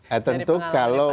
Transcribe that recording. ya tentu kalau